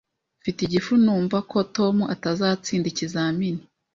Mfite igifu numva ko Tom atazatsinda ikizamini